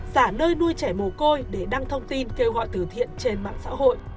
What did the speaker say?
giả nơi đuôi trẻ mồ côi để đăng thông tin kêu gọi từ thiện trên mạng xã hội